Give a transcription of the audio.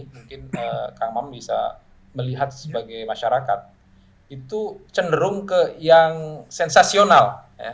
mungkin kang maman bisa melihat sebagai masyarakat itu cenderung ke yang sensasional